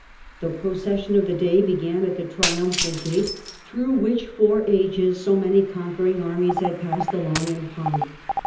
The by Josephus, procession of the day began at the Triumphal Gate, through which for ages so many conquering armies had passed along in ponp.